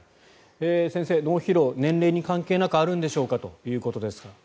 先生、脳疲労年齢に関係なくあるんでしょうか？ということですが。